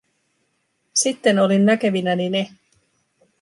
Sitten olin näkevinäni ne.